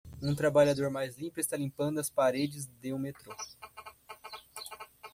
Um trabalhador mais limpo está limpando as paredes de um metrô